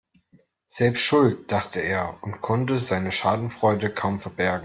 Selbst schuld, dachte er und konnte seine Schadenfreude kaum verbergen.